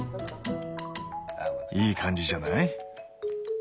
いい感じじゃない？